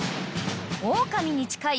［オオカミに近いＤＮＡ